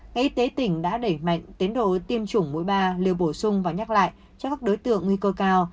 ngay y tế tỉnh đã đẩy mạnh tiến độ tiêm chủng mũi ba liều bổ sung và nhắc lại cho các đối tượng nguy cơ cao